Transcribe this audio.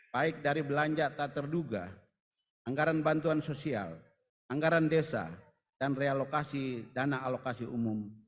baik dari belanja tak terduga anggaran bantuan sosial anggaran desa dan realokasi dana alokasi umum